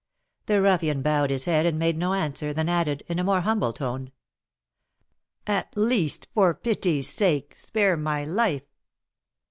The ruffian bowed his head and made no answer; then added, in a more humble tone: "At least, for pity's sake, spare my life!"